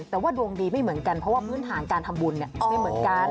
แต่ว่าดวงดีไม่เหมือนกันเพราะว่าพื้นฐานการทำบุญไม่เหมือนกัน